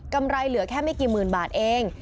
ไรเหลือแค่ไม่กี่หมื่นบาทเอง